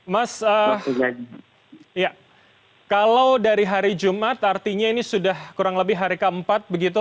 mas kalau dari hari jumat artinya ini sudah kurang lebih hari keempat begitu